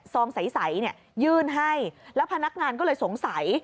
นี่ซองใสเนี่ยยื่นให้แล้วพนักงานก็เลยโสงใส